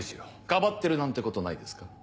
かばってるなんてことないですか？